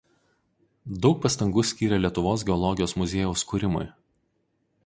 Daug pastangų skyrė Lietuvos geologijos muziejaus kūrimui.